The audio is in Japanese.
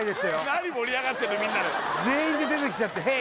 何盛り上がってんのみんなで全員で出てきちゃって「ヘイ！」